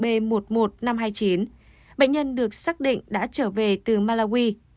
bệnh nhân được xác định đã trở về từ malawi